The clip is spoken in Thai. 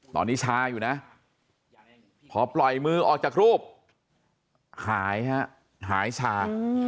ตอนนี้ชาอยู่นะพอปล่อยมือออกจากรูปหายฮะหายชา